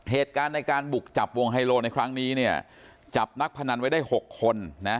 เหตุการณ์ในการบุกจับวงไฮโลในครั้งนี้เนี่ยจับนักพนันไว้ได้๖คนนะ